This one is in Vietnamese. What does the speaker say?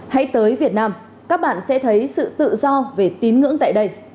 hãy tới việt nam các bạn sẽ thấy sự tự do về tín ngưỡng tại đây